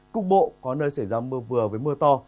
cục bộ có nơi xảy ra mưa vừa với mưa to